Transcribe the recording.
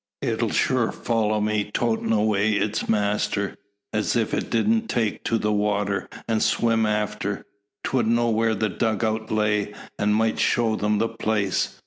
It'll sure follow me toatin away its master, an' if it didn't take to the water an' swim after 'twould know where the dug out lay, an' might show them the place.